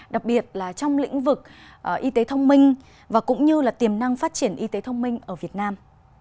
đặc biệt là trong lĩnh vực y tế thông minh và cũng như tiềm năng phát triển y tế thông minh ở việt nam